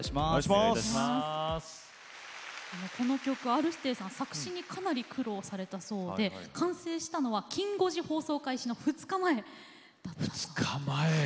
この歌Ｒ−指定さんは作詞かなり苦労されたそうで完成したのは「きん５時」放送の２日前だったそうです。